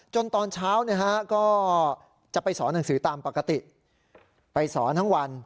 ตอนเช้าก็จะไปสอนหนังสือตามปกติไปสอนทั้งวัน